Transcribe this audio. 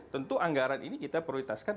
tentu anggaran ini kita prioritaskan